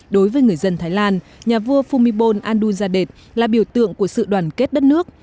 đối với người dân thái lan nhà vua phumibol adunzadeh là biểu tượng của sự đoàn kết đất nước